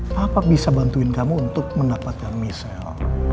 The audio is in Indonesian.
papa bisa bantuin kamu untuk mendapatkan miesel